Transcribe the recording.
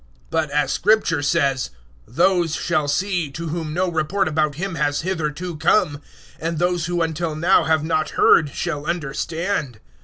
015:021 But, as Scripture says, "Those shall see, to whom no report about Him has hitherto come, and those who until now have not heard shall understand."